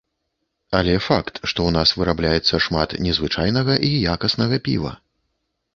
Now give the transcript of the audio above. Але факт, што ў нас вырабляецца шмат незвычайнага і якаснага піва.